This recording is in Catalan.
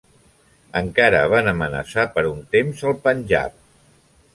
Encara van amenaçar per un temps el Panjab.